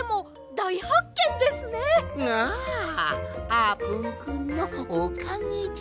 あーぷんくんのおかげじゃ。